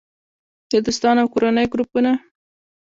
- د دوستانو او کورنۍ ګروپونه